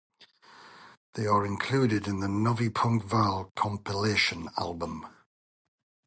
They are included on the Novi Punk Val compilation album.